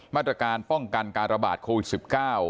มาตรการป้องกันการระบาดโควิด๑๙